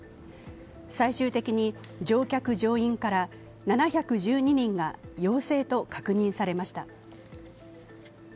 最終的に乗客乗員から７１２人が陽性と確認されました。